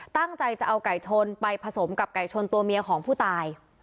ตั้งใจจะเอาไก่ชนไปผสมกับไก่ชนตัวเมียของผู้ตาย